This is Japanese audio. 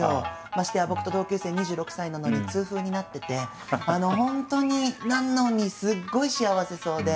ましてや僕と同級生２６歳なのに痛風になってて本当になのにすごい幸せそうで。